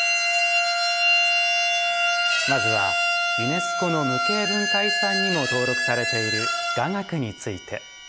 まずはユネスコの無形文化遺産にも登録されている雅楽について。